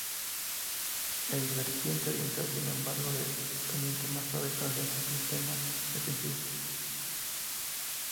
Odriozola fue reelegido como decano para un nuevo período.